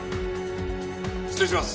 失礼します！